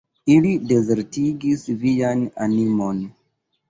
Ili dezertigis vian animon!